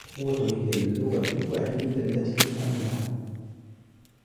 القوّة هي اللغة الوحيدة التي يفهموها.